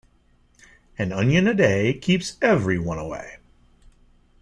An onion a day keeps everyone away.